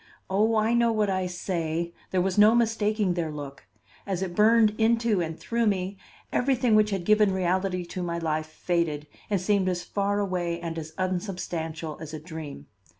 Oh, I know what I say! There was no mistaking their look. As it burned into and through me, everything which had given reality to my life faded and seemed as far away and as unsubstantial as a dream.